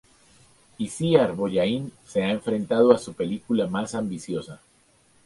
Icíar Bollaín se ha enfrentado a su película más ambiciosa.